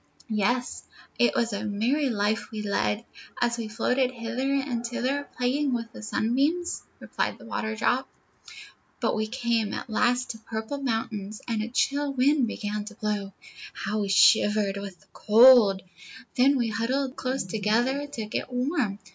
"Yes; it was a merry life we led, as we floated hither and thither, playing with the sun beams," replied the Waterdrop. "But we came at last to a purple mountain, and a chill wind began to blow. How we shivered with the cold! Then we huddled close together to get warm.